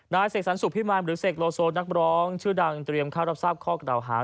เสกสรรสุขพิมารหรือเสกโลโซนักร้องชื่อดังเตรียมเข้ารับทราบข้อกล่าวหา